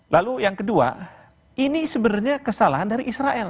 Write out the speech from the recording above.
lalu yang kedua ini sebenarnya kesalahan dari israel